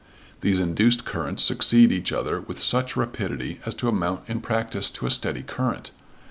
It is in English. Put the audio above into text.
These induced currents succeed each other with such rapidity as to amount in practice to a steady current.